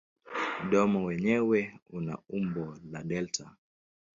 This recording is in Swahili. Mdomo wenyewe una umbo la delta.